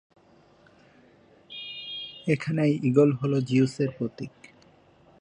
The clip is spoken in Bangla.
এখানে ঈগল হল জিউসের প্রতীক।